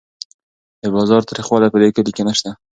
د بازار تریخوالی په دې کلي کې نشته.